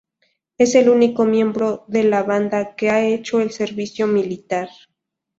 Es el único miembro de la banda que ha hecho el servicio militar.